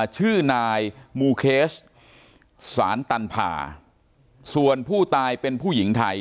ชื่อนายมูเคสสารตันพาส่วนผู้ตายเป็นผู้หญิงไทย